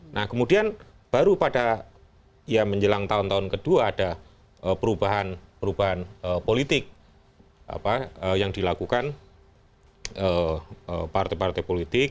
nah kemudian baru pada ya menjelang tahun tahun kedua ada perubahan perubahan politik yang dilakukan partai partai politik